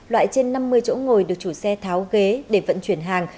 loại trên năm mươi chỗ ngồi được chủ xe tháo ghế để vận chuyển hàng